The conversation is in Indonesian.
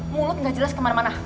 mulut gak jelas kemana mana